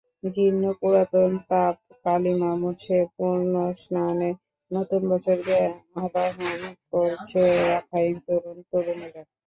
জীর্ণ পুরাতন, পাপ, কালিমা মুছে পুণ্যস্নানে নতুন বছরকে আবাহন করছে রাখাইন তরুণ-তরুণীরা।